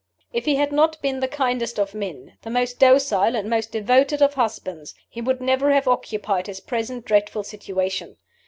If he had not been the kindest of men, the most docile and most devoted of husbands, he would never have occupied his present dreadful situation.